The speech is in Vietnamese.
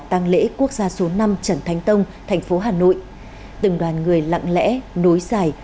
tàng lễ quốc gia số năm trần thánh tông thành phố hà nội từng đoàn người lặng lẽ nối dài